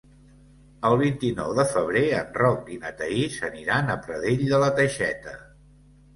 El vint-i-nou de febrer en Roc i na Thaís aniran a Pradell de la Teixeta.